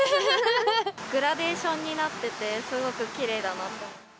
グラデーションになってて、すごくきれいだなと。